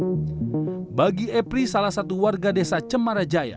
di bagian atas warga desa cemarajaya ini adalah warga yang berada di bawah pantai di desa cemarajaya ini